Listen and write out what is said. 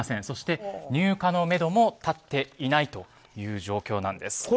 そして入荷のめども立っていないという状況なんです。